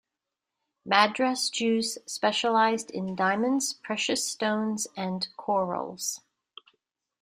Madras Jews specialised in diamonds, precious stones and corals.